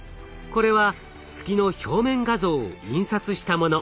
これは月の表面画像を印刷したもの。